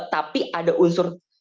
tapi ada unsur